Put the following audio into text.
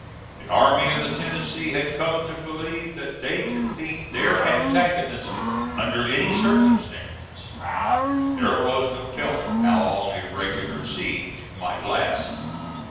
The Army of the Tennessee had come to believe that they could beat their antagonist under any circumstances. There was no telling how long a regular siege might last.